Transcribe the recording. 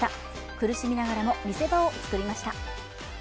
苦しみながらも見せ場を作りました。